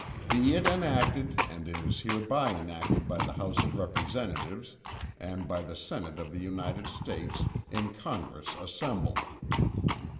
"Be it enacted, and it is hereby enacted by the House of Representatives, and by the Senate of the United States, in Congress assembled."